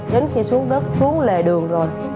dính chị xuống đất xuống lề đường rồi